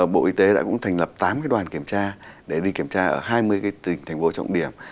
bộ y tế đã cũng thành lập tám đoàn kiểm tra để đi kiểm tra ở hai mươi tỉnh thành phố trọng điểm